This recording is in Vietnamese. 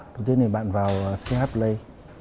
đầu tiên thì bạn vào ch play